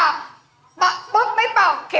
แม่พร้อมนะแม่